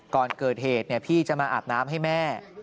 ก่อนเกิดเหตุพี่จะมาอาบน้ำให้แม่